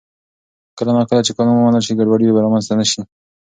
کله نا کله چې قانون ومنل شي، ګډوډي به رامنځته نه شي.